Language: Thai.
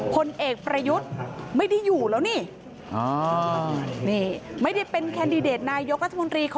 พลเอกประยุทธ์ไม่ได้อยู่แล้วนี่